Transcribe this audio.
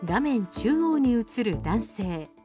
中央に写る男性。